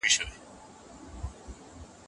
ځيني له بيوزلۍ څخه وروسته شتمن سول.